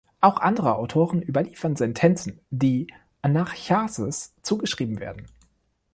Auch andere Autoren überliefern Sentenzen, die Anacharsis zugeschrieben werden.